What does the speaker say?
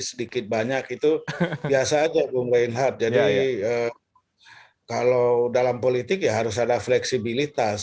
sedikit banyak itu biasa aja bung reinhard jadi kalau dalam politik ya harus ada fleksibilitas